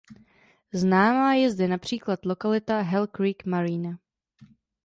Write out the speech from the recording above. Známá je zde například lokalita "Hell Creek Marina".